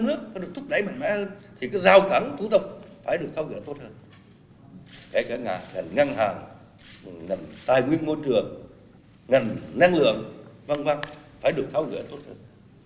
để cả ngành ngân hàng ngành tài nguyên môi trường ngành năng lượng văn văn phải được thao dựa tốt hơn